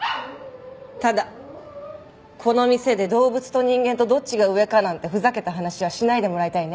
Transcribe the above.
ただこの店で動物と人間とどっちが上かなんてふざけた話はしないでもらいたいね。